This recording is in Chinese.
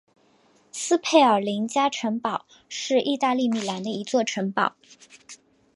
斯佩尔林加城堡是意大利米兰的一座城堡。